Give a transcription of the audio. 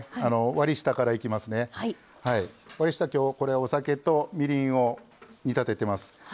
割り下きょうこれお酒とみりんを煮立ててます。